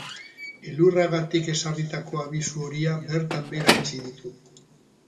Elurragatik ezarritako abisu horia bertan behera utzi ditu.